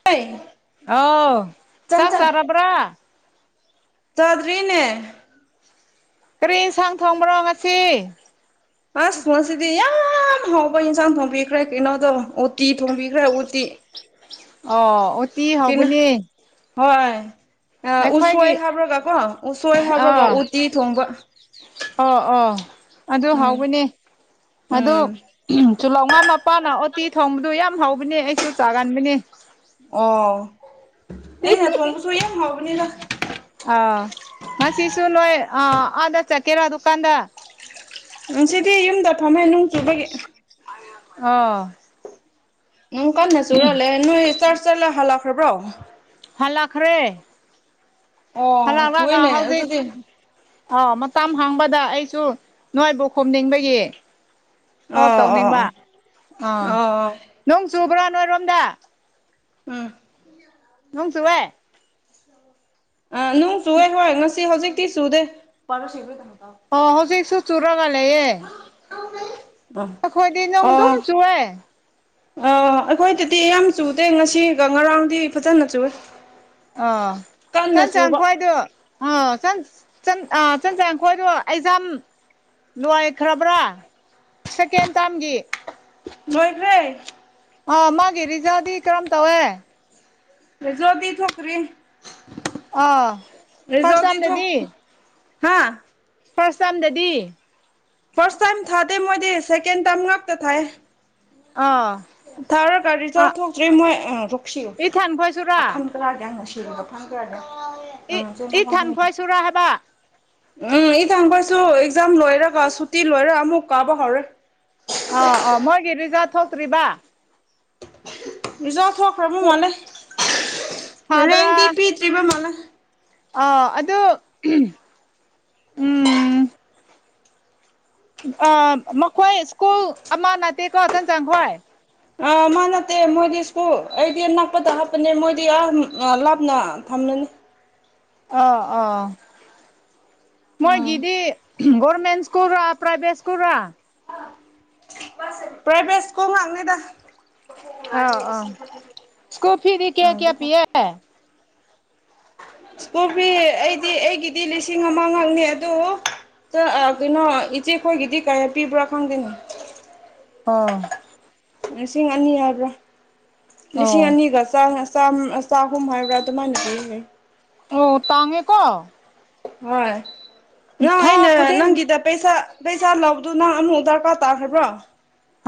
[unintelligible] ꯑꯥꯎ ꯆꯥꯛ ꯆꯪ ꯆꯔꯕ꯭ꯔꯥ ꯆꯥꯗ꯭ꯔꯤꯅꯦ ꯀꯔꯤ ꯢꯟꯁꯥꯡ ꯊꯣꯡꯕ꯭ꯔꯣ ꯉꯁꯤ ꯑꯁ ꯉꯁꯤꯗꯤ ꯌꯥꯝ ꯍꯥꯎꯕ ꯑꯦꯟꯁꯥꯡ ꯊꯣꯡꯕꯤꯈ꯭ꯔꯦ ꯀꯩꯅꯣꯗꯣ ꯎꯇꯤ ꯊꯣꯡꯕꯤꯈ꯭ꯔꯦ ꯎꯇꯤ ꯑꯣ ꯎꯇꯤ ꯀꯩꯅꯣ ꯍꯥꯎꯕꯅꯦ ꯍꯣꯏ ꯑꯥ ꯎꯁꯣꯏ ꯍꯥꯞꯔꯒꯀꯣ ꯎꯁꯣꯏ ꯍꯥꯞꯔꯒ ꯑꯥ ꯎꯇꯤ ꯊꯣꯡꯕ ꯑꯣ ꯑꯣ ꯑꯗꯨ ꯎꯝ ꯍꯥꯎꯕꯅꯦ ꯑꯗꯨ ꯎꯝ ꯇꯨꯜꯍꯧꯉꯥ ꯃꯄꯥꯅ ꯎꯇꯤ ꯊꯣꯡꯕꯗꯨ ꯌꯥꯝ ꯍꯧꯕꯅꯦ ꯑꯩꯁꯨ ꯆꯥꯒꯟꯕꯅꯦ ꯑꯣ ꯑꯩꯅ ꯊꯣꯡꯕꯁꯨ ꯌꯥꯝ ꯍꯥꯎꯕꯅꯤꯗ ꯑꯥ ꯉꯁꯤꯁꯨ ꯅꯣꯏ ꯑꯥ ꯑꯥꯗ ꯆꯥꯠꯀꯦꯔꯥ ꯗꯨꯀꯥꯟꯗ ꯉꯁꯤꯗꯤ ꯌꯨꯝꯗ ꯊꯝꯃꯦ ꯅꯣꯡ ꯆꯨꯕꯒꯤ ꯑꯣ ꯅꯣꯡ ꯀꯟꯅ ꯆꯨꯔ ꯂꯩꯌꯦ ꯅꯣꯏ ꯆꯥꯛ ꯆꯠꯂ ꯍꯜꯂꯛꯈ꯭ꯔꯕ꯭ꯔꯣ ꯍꯜꯂꯛꯈ꯭ꯔꯦ ꯑꯣ ꯍꯜꯂꯛꯂꯒ ꯊꯨꯏꯅꯦ ꯍꯧꯖꯤꯛ ꯑꯗꯨꯗꯤ ꯑꯥ ꯃꯇꯝ ꯍꯥꯡꯕꯗ ꯑꯩꯁꯨ ꯅꯣꯏꯕꯨ ꯈꯣꯝꯅꯤꯡꯕꯒꯤ ꯍꯣꯞ ꯑꯣ ꯑꯣ ꯇꯧꯅꯤꯡꯕ ꯑꯥ ꯑꯣ ꯑꯣ ꯅꯣꯡ ꯆꯨꯕ꯭ꯔꯥ ꯅꯣꯏꯔꯣꯝꯗ ꯎꯝ ꯅꯣꯡ ꯆꯨꯋꯦ ꯑꯥ ꯅꯣꯡ ꯆꯨꯨꯋꯦ ꯍꯣꯏ ꯉꯁꯤ ꯍꯧꯖꯤꯛꯇꯤ ꯆꯨꯗꯦ [unintelligible] ꯑꯣ ꯍꯧꯖꯤꯁꯨ ꯆꯨꯔꯒ ꯂꯩꯌꯦ ꯕ ꯑꯩꯈꯣꯏꯗꯤ ꯅꯣꯡ ꯑꯗꯨꯝ ꯑꯣ ꯆꯨꯑꯦ ꯑꯥ ꯑꯩꯈꯣꯏꯗꯗꯤ ꯌꯥꯝ ꯆꯨꯗꯦ ꯉꯁꯤꯒ ꯉꯔꯥꯡꯗꯤ ꯐꯖꯅ ꯆꯨꯋꯦ ꯑꯥ ꯆꯟꯆꯟ ꯈꯣꯏꯗꯨ ꯑꯥ ꯆꯟ ꯆꯟ ꯑꯥ ꯆꯟꯆꯟ ꯈꯣꯏꯗꯣ ꯑꯩꯖꯥꯝ ꯂꯣꯏꯈ꯭ꯔꯕ꯭ꯔꯥ ꯁꯦꯀꯦꯟ ꯇꯥꯝꯒꯤ ꯂꯣꯏꯈ꯭ꯔꯦ ꯑꯣ ꯃꯥꯒꯤ ꯔꯤꯖꯜꯗꯤ ꯀꯔꯝ ꯇꯧꯋꯦ ꯔꯤꯖꯜꯗꯤ ꯊꯣꯛꯇ꯭ꯔꯤ ꯑꯥ ꯐꯥꯔꯁ ꯔꯤꯖꯜꯗꯤ ꯊꯣꯛ ꯇꯥꯏꯝꯗꯗꯤ ꯍꯥꯥ ꯐꯥꯔꯁ ꯇꯥꯏꯝꯗꯗꯤ ꯐꯥꯔꯁ ꯇꯥꯏꯝ ꯊꯥꯗꯦ ꯃꯣꯏꯗꯤ ꯁꯦꯀꯦꯟ ꯇꯥꯏꯝ ꯉꯥꯛꯇ ꯊꯥꯏꯌꯦ ꯑꯥ ꯊꯥꯔꯒ ꯔꯤꯖꯜ ꯑꯥ ꯊꯣꯛꯇ꯭ꯔꯤ ꯃꯣꯏ ꯑꯝ ꯏꯊꯟ ꯈꯣꯏꯁꯨꯔꯥ [unintelligible] [unintelligible] ꯏ ꯏ ꯊꯟ ꯈꯣꯏꯁꯨꯔꯥ ꯍꯥꯏꯕ ꯎꯝ ꯏ ꯊꯪꯈꯣꯏꯁꯨ ꯑꯦꯛꯖꯥꯝ ꯂꯣꯏꯔꯒ ꯁꯨꯇꯤ ꯂꯣꯏꯔ ꯑꯃꯨꯛ ꯀꯥꯕ ꯍꯧꯔꯦ ꯑꯥ ꯑꯥ ꯃꯣꯏꯒꯤ ꯔꯤꯖꯜ ꯊꯣꯛꯇ꯭ꯔꯤꯕ ꯔꯤꯖꯜ ꯊꯣꯛꯈ꯭ꯔꯕ ꯃꯥꯜꯂꯦ ꯔꯦꯡꯇꯤ ꯄꯤꯗ꯭ꯔꯤꯕ ꯃꯥꯜꯂꯦ ꯑꯥ ꯑꯗꯨ ꯎꯝ ꯑꯥ ꯃꯈꯣꯏ ꯁ꯭ꯀꯨꯜ ꯑꯃꯥꯅꯗꯤꯀꯣ ꯆꯟꯆꯟ ꯈꯣꯏ ꯑꯥ ꯃꯥ ꯅꯠꯇꯦ ꯃꯣꯏꯗꯤ ꯁ꯭ꯀꯨꯜ ꯑꯩꯗꯤ ꯅꯛꯄꯗ ꯍꯥꯞꯄꯅꯦ ꯃꯣꯏꯗꯤ ꯑꯥ ꯎꯝ ꯑꯥ ꯂꯥꯞꯅ ꯊꯝꯂꯅꯤ ꯑꯥ ꯑꯥ ꯎꯝ ꯃꯣꯏꯒꯤꯗꯤ ꯒꯣꯔꯃꯦꯟ ꯁ꯭ꯀꯨꯜꯔ ꯄ꯭ꯔꯥꯏꯚꯦꯠ ꯁꯀꯨꯜꯔꯥ ꯄ꯭ꯔꯥꯏꯕꯦꯠ ꯁ꯭ꯀꯨꯜ ꯉꯥꯡꯅꯦꯗ ꯑꯥ ꯑꯥꯎ ꯁ꯭ꯀꯨꯜ ꯐꯤꯗꯤ ꯀꯌꯥ ꯀꯌꯥ ꯄꯤꯌꯦ ꯁ꯭ꯀꯨꯜ ꯐꯤ ꯑꯩꯗꯤ ꯑꯩꯒꯤꯗꯤ ꯂꯤꯁꯤꯡ ꯑꯃꯥ ꯉꯥꯛꯅꯦ ꯑꯗꯨ ꯇꯥ ꯑꯥ ꯀꯩꯅꯣ ꯏꯆꯦꯈꯣꯏꯒꯤꯗꯤ ꯀꯌꯥ ꯄꯤꯕ꯭ꯔꯥ ꯈꯪꯗꯦꯅꯦ ꯑꯣ ꯂꯤꯁꯤꯡ ꯑꯅꯤ ꯍꯥꯏꯕ꯭ꯔꯥ ꯂꯤꯁꯤꯡ ꯑꯣ ꯑꯅꯤꯒ ꯆꯥꯅ ꯆꯥꯝ ꯑꯥ ꯆꯥꯍꯨꯝ ꯍꯥꯏꯕ꯭ꯔ ꯑꯗꯨꯃꯥꯏꯅ ꯍꯥꯏꯌꯦ ꯒꯌꯦ ꯑꯣ ꯇꯥꯡꯉꯦꯀꯣ ꯍꯣꯏ ꯅꯪ ꯊꯥ ꯑꯩꯅ ꯈꯨꯗꯤꯡ ꯅꯪꯒꯤꯗ ꯄꯩꯁꯥ ꯄꯩꯁꯥ ꯂꯧꯕꯗꯨ ꯅꯪ ꯑꯃꯨꯛ ꯗ꯭ꯔꯀꯥꯔ ꯇꯥꯈ꯭ꯔꯕ꯭ꯔꯣ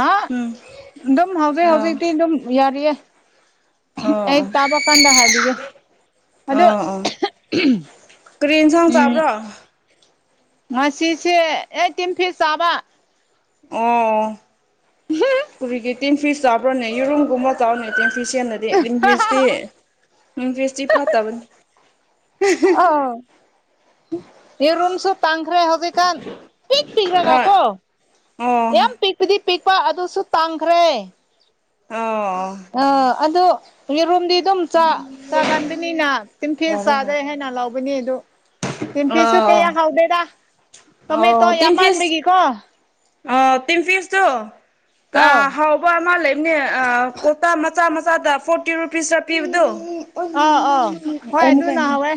ꯍꯥ ꯎꯝ ꯑꯗꯨꯝ ꯍꯧꯖꯤꯛ ꯑꯥ ꯍꯧꯖꯤꯛꯇꯤ ꯗꯨꯝ ꯌꯥꯔꯤꯌꯦ ꯑꯣ ꯑꯣ ꯑꯩ ꯇꯥꯕ ꯀꯥꯟꯗ ꯍꯥꯏꯕꯤꯒꯦ ꯑꯗꯨ ꯑꯣ ꯑꯣ ꯀꯔꯤ ꯌꯦꯟꯁꯥꯡ ꯎꯝ ꯆꯥꯕ꯭ꯔꯣ ꯉꯁꯤꯁꯦ ꯑꯦ ꯇꯤꯟꯐꯤꯁ ꯆꯥꯕ ꯑꯣ ꯀꯨꯔꯤꯒꯤ ꯇꯤꯟꯐꯤꯁ ꯆꯥꯕ꯭ꯔꯣꯅꯦ ꯌꯦꯔꯨꯝꯒꯨꯝꯕ ꯆꯥꯎꯅꯦ ꯇꯦꯟꯐꯤꯁ ꯍꯦꯟꯅꯗꯤ ꯇꯤꯟꯐꯤꯁꯇꯤ ꯇꯤꯟꯐꯤꯁꯇꯤ ꯐꯠꯇꯕꯅꯦ ꯑꯣ ꯌꯦꯔꯨꯝꯁꯨ ꯇꯥꯡꯈ꯭ꯔꯦ ꯍꯧꯖꯤꯛꯀꯥꯟ ꯄꯤꯛ ꯍꯣꯏ ꯄꯤꯛꯔꯒꯀꯣ ꯑꯣ ꯌꯥꯝ ꯄꯤꯛꯄꯗꯤ ꯄꯤꯛꯄ ꯑꯗꯨꯁꯨ ꯇꯥꯡꯈ꯭ꯔꯦ ꯑꯥ ꯑꯣ ꯑꯥ ꯑꯗꯨ ꯌꯦꯔꯨꯝꯗꯤ ꯑꯗꯨꯝ ꯆꯥ ꯆꯥꯒꯟꯕꯤꯅꯤꯅ ꯇꯤꯟꯐꯤꯁ ꯌꯥꯔꯦ ꯆꯥꯗꯦ ꯌꯥꯔꯦ ꯍꯦꯟꯅ ꯂꯧ ꯕꯅꯦꯗꯣ ꯇꯤꯟꯐꯤꯁꯁꯨ ꯑꯣ ꯀꯌꯥ ꯍꯥꯎꯗꯦꯗ ꯇꯣꯃꯦꯇꯣ ꯌꯥꯝꯃꯟꯕꯒꯤꯀꯣ ꯑꯥ ꯇꯤꯟꯐꯤꯁꯇꯨ ꯑꯧ ꯑꯥ ꯍꯥꯎ ꯄꯥꯔ ꯑꯃ ꯂꯩꯕꯅꯦ ꯑꯥ ꯀꯣꯛꯇꯥ ꯃꯆꯥ ꯃꯆꯥꯗ ꯐꯣꯔꯇꯤ ꯔꯨꯄꯤꯁꯔ ꯄꯤꯕꯗꯨ ꯑꯥ ꯑꯣ ꯍꯣꯏ ꯑꯗꯨꯅ ꯍꯥꯎꯋꯦ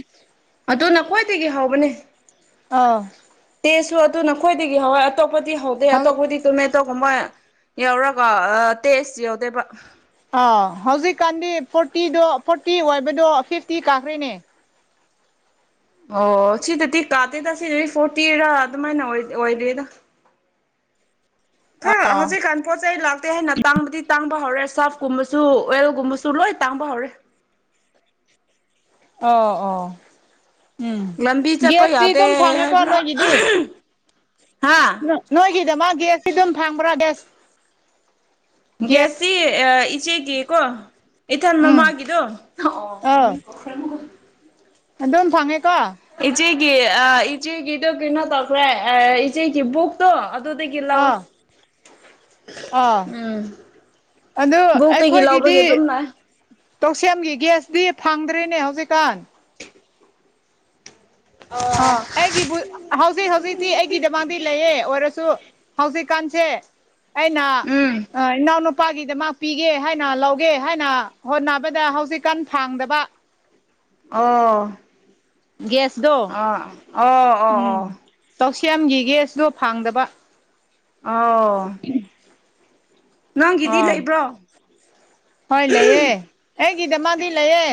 ꯑꯗꯨꯅ ꯈ꯭ꯌꯥꯏꯗꯒꯤ ꯍꯥꯎꯕꯅꯦ ꯑꯥ ꯇꯦꯁꯨ ꯑꯗꯨꯅ ꯈꯣꯏꯗꯒꯤ ꯍꯥꯎꯋꯦ ꯑꯇꯣꯞꯄꯗꯤ ꯍꯧꯗꯦ ꯍꯧꯖꯤꯛ ꯑꯇꯣꯞꯄꯗꯤ ꯇꯨꯃꯦ ꯇꯣ ꯒꯨꯝꯃꯥ ꯌꯥꯎꯔꯒ ꯇꯦꯁ ꯌꯧꯗꯦꯕ ꯑꯥꯎ ꯍꯧꯖꯤꯛꯀꯥꯟꯗꯤ ꯐꯣꯔꯇꯤꯗꯣ ꯐꯣꯔꯇꯤ ꯑꯣꯏꯕꯗꯣ ꯐꯤꯐꯇꯤ ꯀꯥꯈ꯭ꯔꯦꯅꯦ ꯑꯣ ꯁꯤꯗꯗꯤ ꯀꯥꯗꯦꯗ ꯁꯤꯗꯗꯤ ꯐꯣꯔꯇꯤꯔꯥ ꯑꯗꯨꯃꯥꯏꯅ ꯑꯣꯏ ꯑꯣꯏꯔꯤꯗ ꯈ꯭ꯔ ꯑꯥ ꯍꯧꯖꯤꯛꯀꯥꯟ ꯄꯣꯠ ꯆꯩ ꯂꯥꯛꯇꯦ ꯍꯥꯏꯅ ꯇꯥꯡꯕꯗꯤ ꯇꯥꯡꯕ ꯍꯧꯔꯦ ꯁꯣꯞꯀꯨꯝꯕꯁꯨ ꯑꯣꯏꯜꯒꯨꯝꯕꯁꯨ ꯂꯣꯏ ꯇꯥꯡꯕ ꯍꯧꯔꯦ ꯑꯥ ꯑꯣ ꯎꯝ ꯂꯝꯕꯤ ꯆꯠꯄ ꯒꯦꯁꯇꯤ ꯌꯥꯗꯦ ꯑꯗꯨꯝ ꯐꯪꯉꯦꯀꯣ ꯍꯥꯏꯕ꯭ꯔꯥ ꯅꯣꯏꯒꯤꯗꯤ ꯍꯥ ꯅꯣꯏꯒꯤꯗꯃꯛ ꯒꯦꯁꯇꯤ ꯑꯗꯨꯝ ꯐꯪꯕ꯭ꯔꯥ ꯒꯦꯁ ꯒꯦꯁꯇꯤ ꯑꯥ ꯏꯆꯦꯒꯤ ꯀꯣ ꯏꯊꯟ ꯎꯝ ꯃꯃꯥꯒꯤꯗꯣ ꯑꯥ [unintelligible] ꯑꯗꯨꯝ ꯐꯪꯉꯦꯀꯣ ꯏꯆꯦꯒꯤ ꯑꯥ ꯏꯆꯦꯒꯤꯗꯨ ꯀꯩꯅꯣ ꯇꯧꯈ꯭ꯔꯦ ꯑꯥ ꯏꯆꯦꯒꯤ ꯕꯨꯛ ꯇꯣ ꯑꯗꯨꯗꯒꯤ ꯂꯧꯋꯦ ꯑꯥ ꯑꯥ ꯑꯗꯨ ꯕꯣꯛꯇꯒꯤ ꯑꯩꯈꯣꯏꯒꯤꯗꯤ ꯂꯧꯕꯒꯤ ꯑꯗꯨꯝ ꯂꯥꯛꯑꯦ ꯇꯧꯁꯦꯝꯒꯤ ꯒꯦꯁꯇꯤ ꯐꯪꯗ꯭ꯔꯦꯅꯦ ꯍꯧꯖꯤꯛꯀꯥꯟ ꯑꯧ ꯑꯥ ꯑꯩꯒꯤꯕꯨꯠ ꯍꯧꯖꯤꯛ ꯍꯧꯖꯤꯛꯇꯤ ꯑꯩꯒꯤꯗꯃꯛꯇꯤ ꯂꯩꯌꯦ ꯑꯣꯏꯔꯁꯨ ꯍꯧꯖꯤꯛꯀꯥꯟꯁꯦ ꯑꯩꯅ ꯎꯝ ꯑꯥ ꯏꯅꯥꯎꯅꯨꯄꯥꯒꯤꯗꯃꯥ ꯄꯤꯒꯦ ꯍꯥꯏꯅ ꯂꯧꯒꯦ ꯍꯥꯏꯅ ꯍꯣꯠꯅꯕꯗ ꯍꯧꯖꯤꯛꯀꯥꯟ ꯐꯥꯡꯗꯕ ꯑꯣ ꯒꯦꯁꯗꯣ ꯑꯣ ꯑꯣ ꯑꯣ ꯎꯝ ꯑꯣ ꯇꯧꯁ꯭ꯌꯥꯝꯒꯤ ꯒꯦꯁꯇꯣ ꯐꯥꯡꯗꯕ ꯑꯧ ꯑꯣ ꯂꯩꯕ꯭ꯔꯣ ꯍꯣꯏ ꯂꯩꯌꯦ ꯑꯩꯒꯤꯗꯃꯛꯗꯤ ꯂꯩꯌꯦ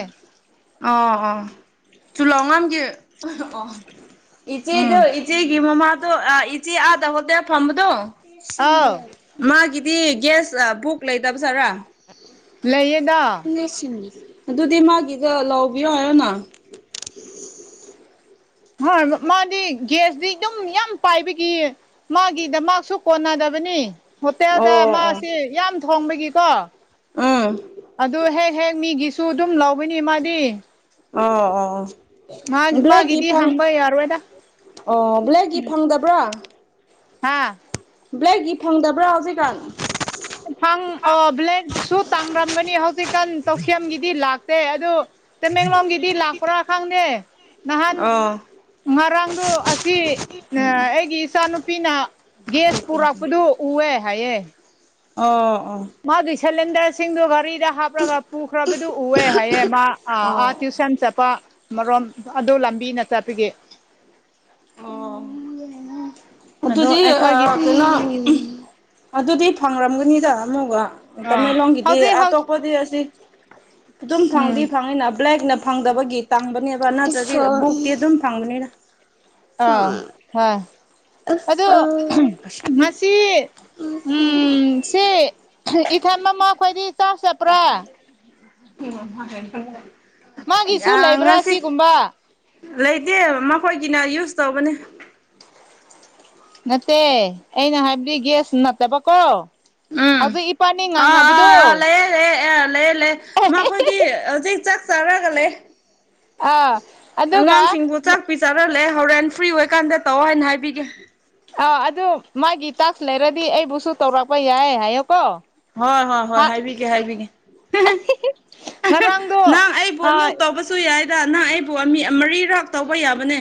ꯑꯣ ꯑꯣ [unintelligible] ꯏꯆꯦꯗꯨ ꯏꯆꯦꯒꯤ ꯃꯃꯥꯗꯣ ꯑꯥ ꯏꯆꯦ ꯑꯥꯗ ꯍꯣꯇꯦꯜ ꯐꯝꯕꯗꯣ ꯑꯥꯎ [unintelligible] ꯃꯥꯒꯤꯗꯤ ꯒꯦꯁ ꯑꯥ ꯕꯨꯛ ꯂꯩꯇꯕ ꯁꯥꯥꯔꯥ ꯂꯩꯌꯦꯗ [unintelligible] ꯑꯗꯨꯗꯤ ꯃꯥꯒꯤꯗꯣ ꯂꯧꯕꯤꯌꯣ ꯍꯥꯏꯌꯣꯅ ꯍꯣꯏ ꯃꯥꯗꯤ ꯒꯦꯁꯇꯤ ꯗꯨꯝ ꯌꯥꯝ ꯄꯥꯏꯕꯒꯤ ꯃꯥꯒꯤꯗꯃꯛꯁꯨ ꯀꯣꯟꯅꯗꯕꯅꯤ ꯑꯣ ꯍꯣꯇꯦꯜꯗ ꯑꯣ ꯃꯥꯁꯤ ꯌꯥꯝ ꯊꯣꯡꯕꯒꯤꯀꯣ ꯎꯝ ꯑꯗꯨ ꯍꯦꯛ ꯍꯦꯛ ꯃꯤꯒꯤꯁꯨ ꯑꯗꯨꯝ ꯂꯧꯕꯅꯤ ꯃꯥꯗꯤ ꯑꯧ ꯑꯣ ꯑꯣ ꯕ꯭ꯂꯦꯛꯀꯤ ꯃꯥꯒꯤꯗꯤ ꯐꯪ ꯍꯪꯕ ꯌꯥꯔꯣꯏꯗ ꯑꯣ ꯕ꯭ꯂꯦꯛꯀꯤ ꯐꯪꯗꯕ꯭ꯔꯥ ꯍꯥꯥ ꯕ꯭ꯂꯦꯛꯒꯤ ꯐꯪꯗꯕ꯭ꯔꯥ ꯍꯧꯖꯤꯀꯥꯟ ꯐꯪ ꯑꯣ ꯕ꯭ꯂꯦꯛꯁꯨ ꯇꯥꯡꯔꯝꯒꯅꯤ ꯍꯧꯖꯤꯛꯀꯥꯟ ꯇꯧꯁꯤꯝꯒꯤꯗꯤ ꯂꯥꯛꯇꯦ ꯑꯗꯨ ꯇꯃꯦꯡꯂꯣꯡꯒꯤꯗꯤ ꯂꯥꯛꯄ꯭ꯔꯥ ꯈꯪꯗꯦ ꯅꯍꯥꯟ ꯑꯣ ꯉꯔꯥꯡꯗꯨ ꯑꯁꯤ ꯑꯥ ꯑꯩꯒꯤ ꯏꯆꯥꯅꯨꯄꯤꯅ ꯒꯦꯁ ꯑꯣ ꯄꯨꯔꯛꯄꯗꯨ ꯎꯋꯦ ꯍꯥꯏꯌꯦ ꯑꯣ ꯑꯣ ꯃꯥꯒꯤ ꯁꯦꯂꯤꯟꯗꯔꯁꯤꯡꯗꯨ ꯒꯥꯔꯤꯗ ꯍꯥꯞ ꯍꯥꯞꯂꯒ ꯄꯨꯈ꯭ꯔꯕꯗꯨ ꯎꯋꯦ ꯍꯥꯏꯌꯦ ꯃꯥ ꯑ ꯑꯥ ꯑꯣ ꯇ꯭ꯋꯨꯁꯟ ꯆꯠꯄ ꯑꯃꯔꯣꯝ ꯑꯗꯨ ꯂꯝꯕꯤ ꯆꯠꯄꯤꯒꯤ ꯑꯣ ꯑꯗꯣ ꯑꯗꯨꯗꯤ ꯑꯩꯈꯣꯏꯒꯤ ꯑꯥ ꯀꯩꯅꯣ ꯑꯗꯨꯗꯤ ꯐꯪꯔꯝꯒꯅꯤꯗ ꯑꯃꯨꯒ ꯑꯥ ꯇꯃꯦꯡꯂꯣꯡꯒꯤꯗꯤ ꯍꯧꯖꯤꯛ ꯑꯇꯣꯞ ꯍꯧꯖꯤꯛ ꯄꯣꯗꯤ ꯑꯁꯤ ꯑꯗꯨꯝ ꯐꯪꯗꯤ ꯎꯝ ꯐꯪꯉꯤꯅ ꯕ꯭ꯂꯦꯛꯅ ꯐꯪꯗꯕꯒꯤ ꯇꯥꯡꯕꯅꯦꯕ ꯅꯠꯇ꯭ꯔꯥꯗꯤ ꯕꯨꯛꯇꯤ ꯑꯗꯨꯝ ꯐꯪꯕꯅꯤꯗ ꯑꯣ ꯍꯣꯏ ꯑꯗꯣ ꯉꯁꯤ ꯎꯝ ꯁꯤ ꯏꯊꯝ ꯑꯝꯃ ꯈꯣꯏꯗꯤ ꯆꯥ ꯆꯄ꯭ꯔꯥ [unintelligible] ꯃꯥꯒꯤꯁꯨ ꯂꯩꯕ꯭ꯔꯥ ꯉꯁꯤ ꯁꯤꯒꯨꯝꯕ ꯂꯩꯇꯦ ꯃꯈꯣꯏꯒꯤꯅ ꯌꯨꯁ ꯇꯧꯕꯅꯦ ꯅꯇꯦ ꯑꯩꯅ ꯍꯥꯏꯕꯗꯤ ꯒ꯭ꯌꯥꯁ ꯅꯠꯇꯕꯀꯣ ꯎꯝ ꯍꯧꯖꯤꯛ ꯏꯄꯥꯅꯤ ꯑꯥ ꯉꯥꯡꯅꯕꯗꯣ ꯑꯥꯥ ꯑꯥ ꯂꯩꯌꯦ ꯂꯩꯌꯦ ꯑꯦ ꯂꯩꯌꯦ ꯂꯩꯌꯦ ꯃꯈꯣꯏꯗꯤ ꯍꯧꯖꯤꯛ ꯆꯥꯛ ꯆꯥꯔꯒ ꯂꯩ ꯑꯥ ꯑꯗꯨꯒ ꯑꯉꯥꯡꯁꯤꯡꯕꯨ ꯆꯥꯛ ꯄꯤ ꯆꯥꯔꯂꯦ ꯍꯣꯔꯦꯟ ꯐ꯭ꯔꯤ ꯑꯣꯏꯀꯥꯟꯗ ꯇꯧꯑꯣ ꯍꯥꯏꯅ ꯍꯥꯏꯕꯤꯒꯦ ꯑꯥ ꯑꯗꯨ ꯃꯥꯒꯤ ꯇꯥꯛꯁ ꯂꯩꯔꯗꯤ ꯑꯩꯕꯨꯁꯨ ꯇꯧꯔꯛꯄ ꯌꯥꯏ ꯍꯥꯏꯌꯣꯀꯣ ꯍꯣꯏ ꯍꯣꯏ ꯍꯣꯏ ꯍꯥ ꯍꯥꯏꯕꯤꯒꯦ ꯍꯥꯏꯕꯤꯒꯦ ꯉꯔꯥꯡꯗꯣ ꯅꯪ ꯑꯩꯕꯨ ꯑꯥ ꯑꯃꯨꯛ ꯇꯧꯕ ꯁꯨ ꯌꯥꯏꯗ ꯅꯪ ꯑꯩꯕꯨ ꯃꯤ ꯃꯔꯤꯔꯥꯛ ꯇꯧꯕ ꯌꯥꯕꯅꯦ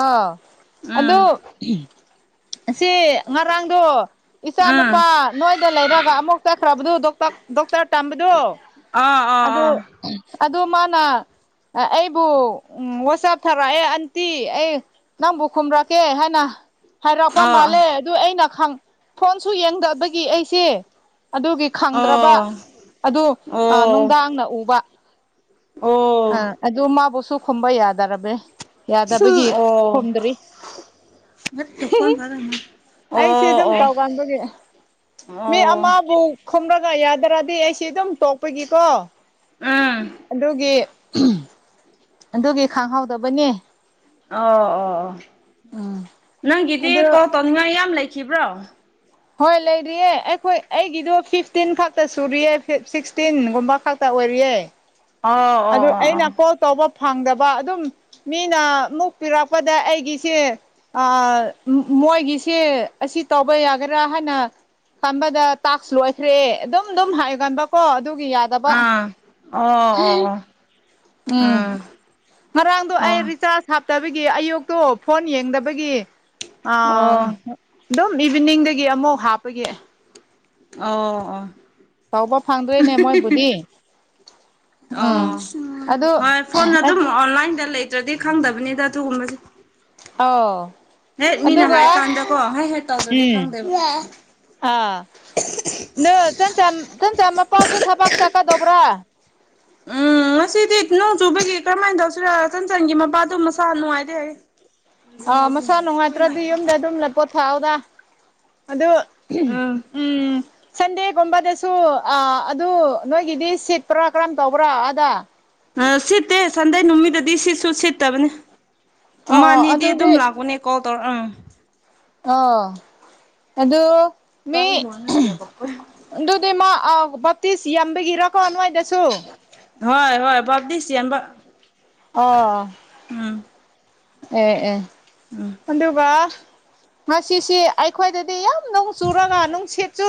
ꯑꯥꯎ ꯑꯗꯨ ꯎꯝ ꯁꯤ ꯉꯔꯥꯡꯗꯣ ꯏꯆꯥ ꯅꯨꯨꯄꯥ ꯎꯝ ꯅꯣꯏꯗ ꯂꯩꯔꯒ ꯑꯃꯨꯛ ꯆꯠꯈ꯭ꯔꯕꯗꯨ ꯗꯣꯛ ꯗꯣꯛꯇꯔ ꯇꯝꯕꯗꯨ ꯑꯥ ꯑꯥ ꯑꯥ ꯑꯗꯣ ꯑꯗꯣ ꯃꯥꯅ ꯑꯩꯕꯨ ꯋꯥꯆꯞ ꯊꯥꯔꯛꯑꯦ ꯇꯤ ꯑꯩ ꯅꯪꯕꯨ ꯈꯨꯝꯔꯛꯀꯦ ꯍꯥꯏꯅ ꯍꯥꯏꯔꯛꯄ ꯑꯥ ꯑꯥ ꯃꯥꯜꯂꯦ ꯑꯗꯨ ꯑꯩꯅ ꯈꯪ ꯐꯣꯟꯁꯨ ꯌꯦꯡꯗꯕꯒꯤ ꯑꯩꯁꯦ ꯑꯗꯨꯒꯤ ꯈꯪꯗ꯭ꯔꯕ ꯑꯣ ꯑꯣ ꯑꯣ ꯑꯗꯨ ꯑꯣ ꯅꯨꯡꯗꯥꯡꯅ ꯎꯕ ꯑꯣ ꯑꯥ ꯑꯣ ꯑꯗꯨ ꯃꯥꯕꯨꯁꯨ ꯈꯨꯝꯕ ꯌꯥꯗꯔꯕꯦ ꯌꯥꯗꯕꯒꯤ ꯈꯨꯝꯗ꯭ꯔꯤ ꯑꯩꯁꯦ ꯑꯗꯨꯝ ꯑꯣ ꯇꯥꯎꯒꯥꯟꯕꯒꯤ ꯃꯤ ꯑꯃꯕꯨ ꯈꯨꯝꯔꯒ ꯌꯥꯗ꯭ꯔꯗꯤ ꯑꯩꯁꯤ ꯑꯗꯨꯝ ꯇꯣꯛꯄꯒꯤꯀꯣ ꯎꯝ ꯑꯗꯨꯒꯤ [unintelligible] ꯑꯗꯨꯒꯤ ꯈꯥꯡꯍꯧꯗꯕꯅꯤ ꯑꯣ ꯑꯣ ꯑꯣ ꯎꯝ ꯅꯪꯒꯤꯗꯤ ꯑꯗꯨ ꯀꯣꯜ ꯇꯧꯅꯤꯡꯉꯥꯏ ꯌꯥꯝ ꯂꯩꯈꯤꯕ꯭ꯔꯣ ꯍꯣꯏ ꯂꯩꯔꯤꯌꯦ ꯑꯩꯈꯣꯏ ꯑꯩꯒꯤꯗꯣ ꯐꯤꯐꯇꯤꯟ ꯈꯛꯇ ꯁꯨꯔꯤꯌꯦ ꯁꯤꯛꯁꯇꯤꯟꯒꯨꯝꯕ ꯈꯥꯛ ꯇ ꯑꯣꯏꯔꯤꯌꯦ ꯑꯣ ꯑꯗꯨ ꯑꯩꯅ ꯑꯣ ꯀꯣꯜ ꯇꯧꯕ ꯐꯪꯗꯕ ꯑꯗꯨꯝ ꯃꯤꯅ ꯃꯨꯛ ꯄꯤꯔꯛꯄꯗ ꯑꯩꯒꯤꯁꯦ ꯑꯥ ꯃꯣꯏꯒꯤꯁꯦ ꯑꯁꯤ ꯇꯧꯕ ꯌꯥꯒꯦꯔꯥ ꯍꯥꯏꯅ ꯈꯟꯕꯗ ꯇꯥꯛꯁ ꯂꯣꯏꯈ꯭ꯔꯦ ꯑꯗꯨꯝ ꯑꯗꯨꯝ ꯍꯥꯏꯒꯥꯟꯕꯀꯣ ꯑꯗꯨꯒꯤ ꯌꯥꯠ ꯑꯥ ꯑꯣ ꯑꯣ ꯑꯣ ꯎꯝ ꯉꯔꯥꯡꯗꯣ ꯑꯩ ꯑꯣ ꯔꯤꯆꯥꯔꯖ ꯍꯥꯞꯇꯕꯒꯤ ꯑꯌꯨꯛꯇꯣ ꯐꯣꯟ ꯌꯦꯡꯗꯕꯒꯤ ꯑꯥ ꯑꯗꯨꯝ ꯏꯚꯤꯅꯤꯡꯗꯒꯤ ꯑꯃꯨꯛ ꯍꯥꯞꯄꯒꯤ ꯑꯣ ꯑꯣ ꯇꯥꯎꯕ ꯐꯪꯗ꯭ꯔꯦꯅꯦ ꯃꯣꯏꯕꯨꯗꯤ ꯑꯣ ꯎꯝ ꯑꯗꯨ ꯍꯣꯏ ꯐꯣꯟꯅ ꯑꯗꯨꯝ ꯑꯁ ꯑꯣꯟꯂꯥꯏꯟꯗ ꯂꯩ ꯇ꯭ꯔꯥꯗꯤ ꯈꯪꯗꯕꯅꯤꯗ ꯑꯗꯨꯒꯨꯝꯕꯁꯤ ꯑꯥꯎ ꯍꯦꯛ ꯃꯤꯅ ꯍꯥꯏ ꯀꯥꯟꯗꯀꯣ ꯍꯦꯛ ꯍꯦꯛ ꯇꯧꯗ꯭ꯔꯗꯤ ꯎꯝ ꯈꯪꯗꯦꯕ ꯗꯣ ꯆꯟꯆꯥ ꯆꯟꯆꯥ ꯃꯄꯥꯁꯨ ꯊꯕꯛ ꯆꯥꯠꯀꯗꯧꯕ꯭ꯔꯥ ꯎꯝ ꯉꯁꯤꯗꯤ ꯅꯣꯡ ꯆꯨꯕꯒꯤ ꯀꯔꯝꯃꯥꯏꯅ ꯇꯧꯁꯤꯔ ꯆꯟꯆꯟꯒꯤ ꯃꯄꯥꯗꯣ ꯃꯁꯥ ꯅꯨꯡꯉꯥꯏꯇꯦ ꯍꯥꯏ [inaudible] ꯑꯥ ꯃꯁꯥ ꯅꯨꯡꯉꯥꯏꯇ꯭ꯔꯗꯤ ꯌꯨꯝꯗ ꯑꯗꯨꯝ ꯄꯣꯊꯥꯎꯗ ꯑꯗꯨ ꯎꯝ ꯎꯝ ꯁꯟꯗꯦꯒꯨꯝꯕꯗꯁꯨ ꯑꯥ ꯑꯗꯨ ꯅꯣꯏꯒꯤꯗꯤ ꯁꯤꯠꯄ꯭ꯔꯥ ꯀꯔꯝ ꯇꯧꯕ꯭ꯔꯥ ꯑꯥꯗ ꯑ ꯁꯤꯠꯇꯦ ꯁꯟꯗꯦ ꯅꯨꯃꯤꯠꯗꯗꯤ ꯁꯤꯠꯁꯨ ꯁꯤꯠꯇꯕꯅꯦ ꯑꯣ ꯃꯥꯅꯤꯗꯤ ꯑꯗꯨꯝ ꯑꯗꯨꯗꯤ ꯂꯥꯛꯄꯅꯦ ꯀꯣꯜ ꯇꯧꯔꯛ ꯑꯥ ꯑꯥ ꯑꯗꯨ ꯃꯤ [unintelligible] ꯑꯗꯨꯗꯤ ꯃꯥ ꯑꯥ ꯕꯞꯇꯤꯁ ꯌꯥꯝꯕꯒꯤꯔꯀꯣ ꯅꯣꯏꯗꯁꯨ ꯍꯣꯏ ꯍꯣꯏ ꯕꯥꯞꯇꯤꯁ ꯌꯥꯝꯕ ꯑꯥ ꯎꯝ ꯑꯦ ꯑꯦ ꯎꯝ ꯑꯗꯨꯒ ꯉꯁꯤꯁꯤ ꯑꯩꯈꯣꯏꯗꯗꯤ ꯌꯥꯝ ꯅꯨꯡ ꯆꯨꯔꯒ ꯅꯨꯡꯁꯤꯠꯁꯨ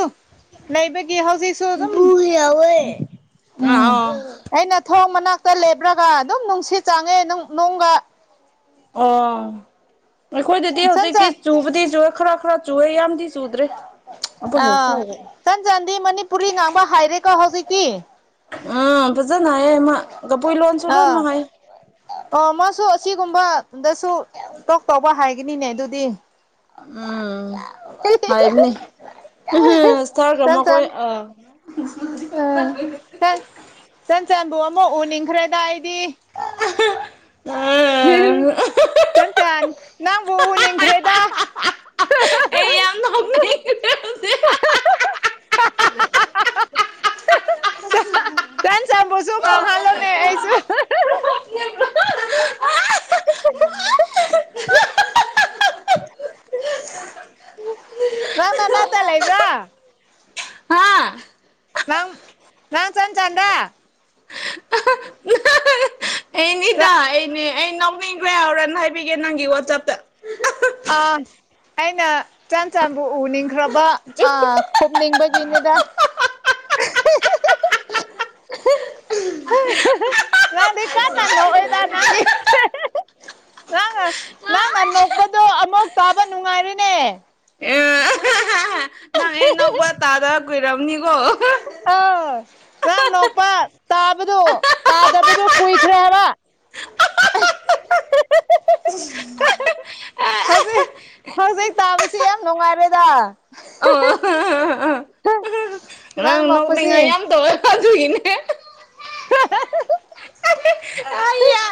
ꯂꯩꯕꯒꯤ ꯍꯧꯖꯤꯛꯁꯨ ꯑꯗꯨꯝ ꯇꯧꯌꯦ ꯑꯥ ꯎꯝ ꯑꯣ ꯑꯣ ꯑꯩꯅ ꯊꯣꯡ ꯃꯅꯥꯛꯇ ꯂꯦꯞꯔꯒ ꯑꯗꯨꯝ ꯅꯨꯡꯁꯤꯠ ꯆꯥꯡꯉꯦ ꯅꯪ ꯅꯣꯡꯒ ꯑꯣ ꯑꯩꯈꯣꯏꯗꯗꯤ ꯆꯟ ꯍꯧꯖꯤꯛꯇꯤ ꯆꯟ ꯆꯨꯕꯗꯤ ꯆꯨꯍꯦ ꯈꯔ ꯈꯔ ꯆꯨꯋꯦ ꯌꯥꯝꯗꯤ ꯆꯨꯗ꯭ꯔꯦ ꯑꯥ ꯆꯟ ꯆꯥꯟꯗꯤ ꯃꯅꯤꯄꯨꯔꯤ ꯉꯥꯡꯕ ꯍꯩꯔꯦꯀꯣ ꯍꯧꯖꯤꯛꯇꯤ ꯎꯝ ꯐꯖꯅ ꯍꯩꯌꯦ ꯃꯥ ꯀꯕꯨꯏ ꯂꯣꯟꯁꯨ ꯑꯥ ꯂꯣꯏꯃꯛ ꯍꯩ ꯑꯣ ꯃꯥꯁꯨ ꯑꯁꯤꯒꯨꯝꯕꯗꯁꯨ ꯇꯣꯛ ꯇꯧꯕ ꯍꯩꯒꯅꯤꯅꯦ ꯑꯗꯨꯗꯤ ꯎꯝ ꯍꯩꯕꯅꯤ ꯍꯥ ꯍꯥ ꯏꯇꯥꯔ ꯆꯟ ꯆꯟ ꯀꯃꯛꯈꯣꯏ ꯑꯥ ꯑꯥ ꯆꯟ ꯆꯟꯆꯟꯕꯨ ꯑꯃꯨꯛ ꯎꯅꯤꯡꯈ꯭ꯔꯦꯗ ꯑꯩꯗꯤ ꯆꯥꯟꯆꯥꯟ ꯅꯪꯕꯨ ꯎꯅꯤꯡꯈ꯭ꯔꯦꯗ ꯑꯩ ꯌꯥꯝ ꯅꯣꯛꯅꯤꯡꯉꯦ [unintelligible] [unintelligible] ꯆꯣꯡꯍꯜꯍꯜꯂꯣꯅꯦ ꯑꯩꯁꯨ [unintelligible] ꯅꯪ ꯅꯅꯥꯛꯇ ꯂꯩꯕ꯭ꯔꯥ ꯍꯥꯥ ꯅꯪ ꯅꯪ ꯆꯟꯆꯟꯔ ꯑꯩꯅꯤꯗ ꯑꯩꯅꯦ ꯑꯩ ꯅꯣꯛꯅꯤꯡꯈ꯭ꯔꯦ ꯍꯣꯔꯦꯟ ꯍꯥꯏꯕꯤꯒꯦ ꯅꯪꯒꯤ ꯋꯥꯆꯞꯇ ꯑ ꯑꯩꯅ ꯆꯟꯆꯟꯕꯨ ꯎꯅꯤꯡꯈ꯭ꯔꯕ ꯑ ꯈꯨꯝꯅꯤꯡꯕ ꯀꯤꯅꯤꯗ [unintelligible] ꯅꯪꯗꯤ ꯀꯟꯅ ꯅꯣꯛꯑꯦꯗ ꯅꯪꯒꯤ ꯅꯪꯅ ꯅꯪꯅ ꯅꯣꯛꯄꯗꯣ ꯑꯃꯨꯛ ꯇꯥꯕ ꯅꯨꯡꯉꯥꯏꯔꯤꯅꯦ ꯑꯦ ꯑꯍꯥꯍꯥꯍꯥ ꯑꯦ ꯅꯣꯛꯄ ꯇꯥꯗ ꯀꯨꯏꯣꯔꯝꯅꯤꯀꯣ ꯑ ꯅꯪ ꯅꯣꯛꯄ ꯇꯥꯕꯗꯣ ꯇꯥꯗꯕꯗꯨ ꯀꯨꯏꯈ꯭ꯔꯦ ꯍꯥꯏꯕ [unintelligible] ꯍꯧꯖꯤꯛ ꯍꯧꯖꯤꯛ ꯇꯥꯕꯁꯤ ꯌꯥꯝ ꯅꯨꯡꯉꯥꯏꯔꯦꯗ ꯑ ꯅꯪ ꯃ ꯅꯤꯡꯉꯥꯏ ꯌꯥꯝ ꯇꯧꯋꯦ ꯑꯗꯨꯒꯤꯅꯦ ꯑ ꯌꯥ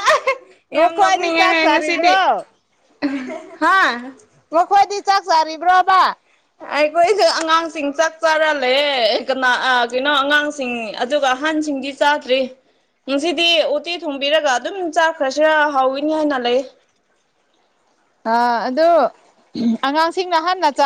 ꯌꯥꯝ ꯅꯈꯣꯏꯗꯤ ꯆꯥꯛ ꯅꯣꯛꯅꯤꯡꯉꯦꯍꯦ ꯉꯁꯤꯗꯤ ꯆꯥꯔꯤꯕ꯭ꯔꯣ ꯍꯥꯥ ꯃꯈꯣꯏꯗꯤ ꯆꯥꯛ ꯆꯥꯔꯤꯕ꯭ꯔꯣꯕ ꯑꯩꯈꯣꯏꯁꯨ ꯑꯉꯥꯡꯁꯤꯡ ꯆꯥꯛ ꯆꯥꯔ ꯂꯩꯌꯦ ꯀꯅꯥ ꯑ ꯀꯩꯅꯣ ꯑꯉꯥꯡꯁꯤꯡ ꯑꯗꯨꯒ ꯑꯍꯟꯁꯤꯡꯗꯤ ꯆꯥꯗ꯭ꯔꯤ ꯉꯁꯤꯗꯤ ꯎꯇꯤ ꯊꯣꯡꯕꯤꯔꯒ ꯑꯗꯨꯝ ꯆꯥꯈ꯭ꯔꯁꯤꯔ ꯍꯥꯎꯏꯅꯤ ꯍꯥꯏꯅ ꯂꯩ ꯑ ꯑꯗꯨ ꯑꯉꯥꯡꯁꯤꯡꯅ ꯍꯥꯟꯅ ꯆꯥ